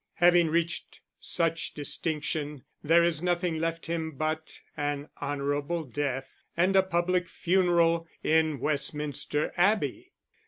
Having reached such distinction, there is nothing left him but an honourable death and a public funeral in Westminster Abbey.